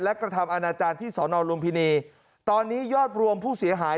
และกระทำอาณาจารย์ที่สอนอลุมพินีตอนนี้ยอดรวมผู้เสียหาย